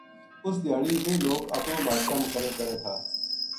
اس دھیاڑی ویہ لوک اپنو بادشاہ مقرر کرے تھا